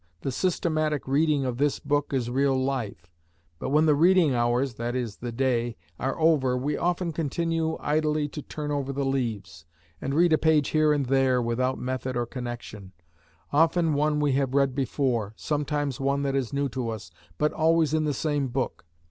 The systematic reading of this book is real life, but when the reading hours (that is, the day) are over, we often continue idly to turn over the leaves, and read a page here and there without method or connection: often one we have read before, sometimes one that is new to us, but always in the same book.